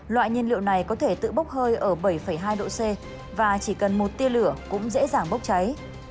loại nhiên liệu này có thể tự bốc hơi ở bảy hai độ c và chỉ cần một tia lửa cũng dễ dàng bốc cháy